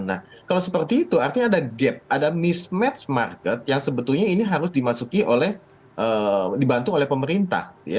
nah kalau seperti itu artinya ada gap ada mismatch market yang sebetulnya ini harus dimasuki oleh dibantu oleh pemerintah